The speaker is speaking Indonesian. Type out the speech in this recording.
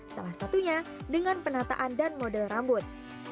salah satunya dengan penataan dan model rambut